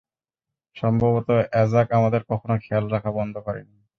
সম্ভবত, অ্যাজাক আমাদের কখনও খেয়াল রাখা বন্ধ করেনি।